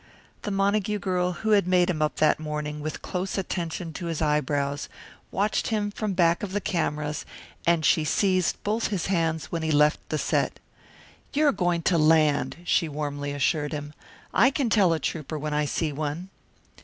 The Montague girl, who had made him up that morning, with close attention to his eyebrows, watched him from back of the cameras, and she seized both his hands when he left the set. "You're going to land," she warmly assured him. "I can tell a trouper when I see one."